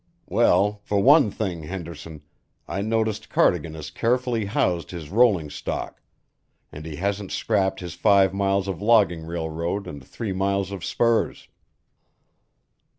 "Well, for one thing, Henderson, I noticed Cardigan has carefully housed his rolling stock and he hasn't scrapped his five miles of logging railroad and three miles of spurs."